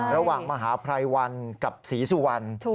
ระหว่างมหาภัยวันกับศรีสุวรรณ